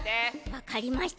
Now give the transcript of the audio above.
わかりました。